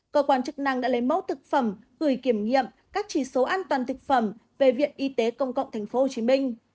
cơ quan chức năng đã lấy mẫu thực phẩm gửi kiểm nghiệm các chỉ số an toàn thực phẩm về viện y tế công cộng tp hcm